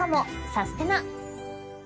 サステナ！